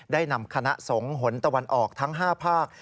ได้นำคณะสงฆ์หนตะวันออกทั้ง๕ภาค